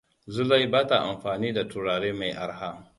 Zulai ba ta amfani da turare mai arha.